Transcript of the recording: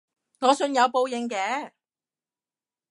我信有報應嘅